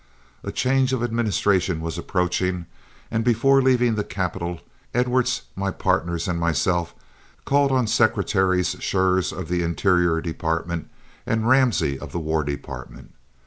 A change of administration was approaching, and before leaving the capital, Edwards, my partners, and myself called on Secretaries Schurz of the Interior Department and Ramsey of the War Department.